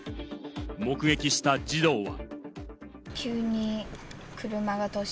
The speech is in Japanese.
目撃した児童は。